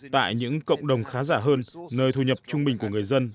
tại những cộng đồng khá giả hơn nơi thu nhập trung bình của người dân